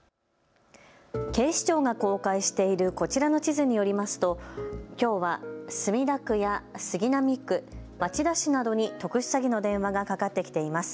警視庁が公開しているこちらの地図によりますときょうは墨田区や杉並区、町田市などに特殊詐欺の電話がかかってきています。